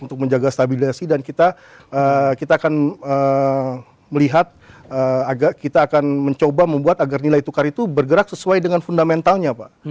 untuk menjaga stabilisasi dan kita akan melihat kita akan mencoba membuat agar nilai tukar itu bergerak sesuai dengan fundamentalnya pak